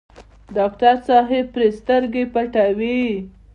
ډاکټر صاحب پرې سترګې پټوي.